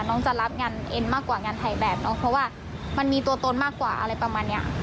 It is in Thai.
น้องจะรับงานเอ็นมากกว่างานถ่ายแบบเนาะเพราะว่ามันมีตัวตนมากกว่าอะไรประมาณเนี้ย